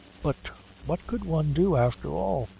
"But what could one do after all!"